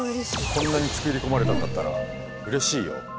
こんなに作り込まれたんだったらうれしいよ！